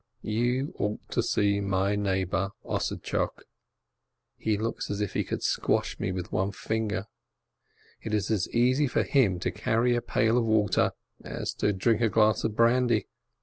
You ought to see my neighbor Ossadtchok ! He looks as if he could squash me with one finger. It is as easy for him to carry a pail of water as to drink a glass of brandy.